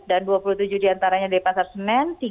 dan dua puluh tujuh diantaranya dari pasar senen